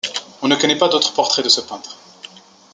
On ne connaît pas d'autre portrait de ce peintre.